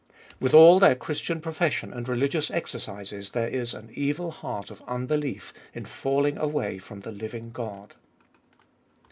With all their Christian profession and religious exercises there is an evil heart of unbelief, in falling away from the living God.